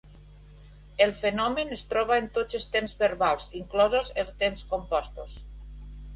El fenomen es troba en tots els temps verbals, inclosos els temps compostos.